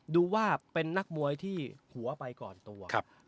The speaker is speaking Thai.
ดูว่าเป็นนักมวยที่หัวไปก่อนตัว